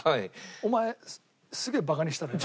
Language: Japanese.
お前すげえバカにしただろ今。